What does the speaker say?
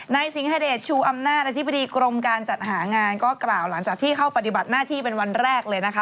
สิงหาเดชชูอำนาจอธิบดีกรมการจัดหางานก็กล่าวหลังจากที่เข้าปฏิบัติหน้าที่เป็นวันแรกเลยนะคะ